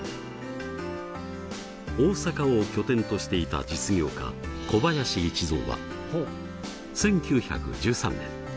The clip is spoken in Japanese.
大阪を拠点としていた実業家小林一三は１９１３年